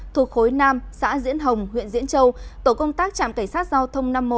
thuộc khối năm xã diễn hồng huyện diễn châu tổ công tác trạm cảnh sát giao thông năm mươi một